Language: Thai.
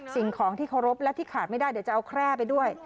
สิ่งของที่เคารพและที่ขาดไม่ได้เดี๋ยวจะเอาแคร่ไปด้วย